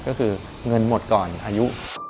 ก็คือเงินหมดก่อนอายุ